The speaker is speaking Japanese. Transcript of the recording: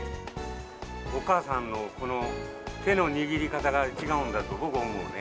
お母さんの、この手の握り方が違うんだと、僕は思うね。